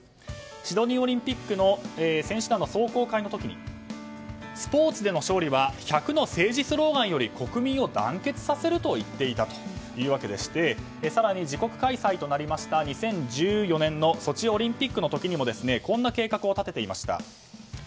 シドニーオリンピックの選手団の壮行会の時にスポーツでの勝利は１００の政治スローガンより国民を団結させると言っていたわけでして更に自国開催となった２０１４年のソチオリンピックの時にもこんな計画を立てていました。